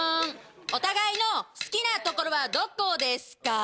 お互いの好きなところはどこですか？